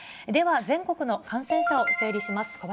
では全国の感染者を整理します。